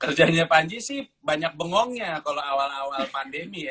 kerjanya panji sih banyak bengongnya kalau awal awal pandemi ya